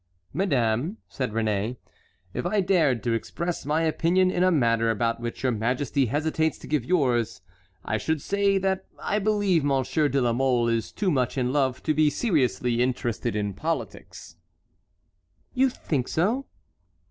"Madame," said Réné, "if I dared to express my opinion in a matter about which your majesty hesitates to give yours I should say that I believe Monsieur de la Mole is too much in love to be seriously interested in politics." "You think so?"